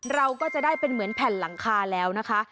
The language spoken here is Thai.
เราก็จะได้เป็นเหมือนแผ่นหลังคาแล้วนะคะ